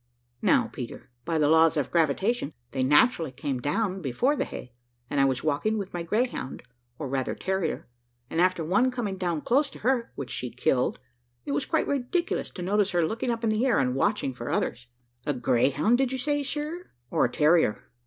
Now, Peter, by the laws of gravitation, they naturally came down before the hay, and I was walking with my greyhound, or rather terrier, and after one coming down close to her, which she killed, it was quite ridiculous to notice her looking up in the air, and watching for the others." "A greyhound did you say, sir, or a terrier?"